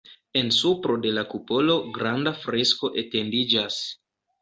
En supro de la kupolo granda fresko etendiĝas.